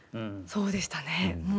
そうでしたね。